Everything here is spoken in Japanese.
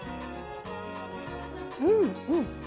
うんうん！